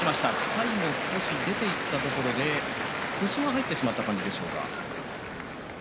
最後少し出ていったところで腰が入ってしまった感じでしょうか。